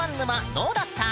どうだった？